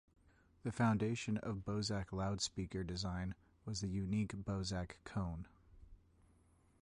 The foundation of Bozak loudspeaker design was the unique Bozak cone.